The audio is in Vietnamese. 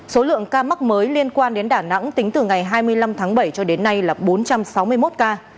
số lượng ca mắc mới liên quan đến đà nẵng tính từ ngày hai mươi năm tháng bảy cho đến nay là bốn trăm sáu mươi một ca